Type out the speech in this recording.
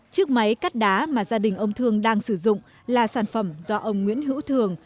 chiếc máy cắt đá mà gia đình ông thương đang sử dụng là sản phẩm do ông nguyễn hữu thường